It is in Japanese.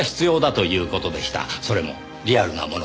それもリアルなものが。